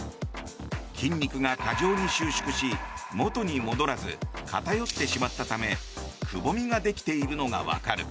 筋肉が過剰に収縮し元に戻らず偏ってしまったためくぼみができているのがわかる。